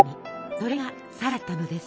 それがサラだったのです。